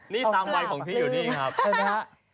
นี่สามวัยของพี่อยู่นี้นะครับ